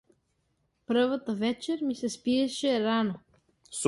Првата вечер ми се спиеше рано.